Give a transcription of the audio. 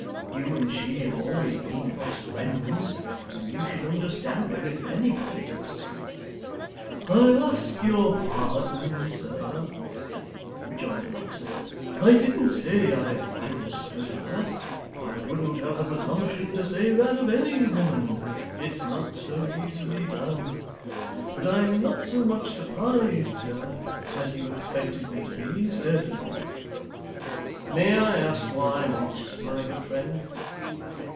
You and she have always been the best friends, and you should understand her if anybody does.' 'I ask your pardon, sir,' rejoined the locksmith. 'I didn't say I understood her. I wouldn't have the presumption to say that of any woman. It's not so easily done. But I am not so much surprised, sir, as you expected me to be, certainly.' 'May I ask why not, my good friend?